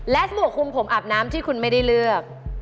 หมวกคุมผมอาบน้ำที่คุณไม่ได้เลือก